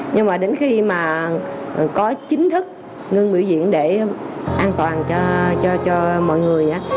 nhưng mà đến khi mà có chính thức ngưng biểu diễn để an toàn cho mọi người